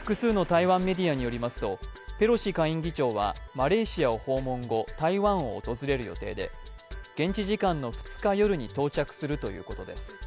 複数の台湾メディアによりますとペロシ下院議長はマレーシアを訪問後、台湾を訪れる予定で、現地時間の２日夜に到着するということです。